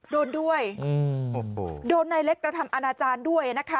โดนด้วยโดนนายเล็กกระทำอาณาจารย์ด้วยนะคะ